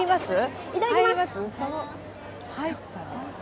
いただきます！